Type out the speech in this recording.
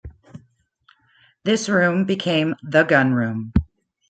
This room became the gunroom.